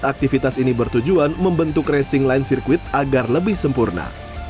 aktivitas ini bertujuan membentuk racing line sirkuit agar lebih sempurna